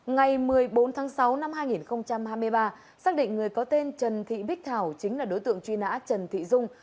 ngày một mươi bốn tháng sáu năm hai nghìn hai mươi ba xác định người có tên trần thị bích thảo chính là đối tượng truy nã trần thị dung